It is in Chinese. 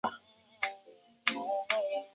贬为川州刺史。